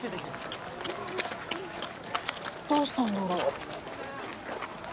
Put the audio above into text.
どうしたんだろう？